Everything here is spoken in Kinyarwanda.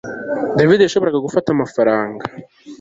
David yashoboraga gufata amafaranga